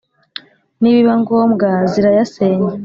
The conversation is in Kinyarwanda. Nibiba ngombwa zirayasenya !